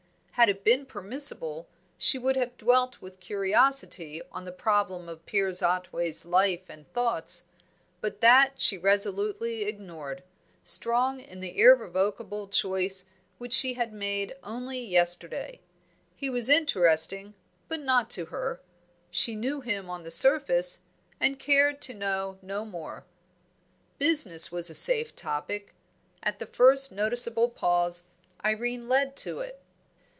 Had it been permissible, she would have dwelt with curiosity on the problem of Piers Otway's life and thoughts; but that she resolutely ignored, strong in the irrevocable choice which she had made only yesterday. He was interesting, but not to her. She knew him on the surface, and cared to know no more. Business was a safe topic; at the first noticeable pause, Irene led to it.